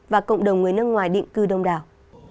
và cộng đồng người nước ngoài định cư đông đảo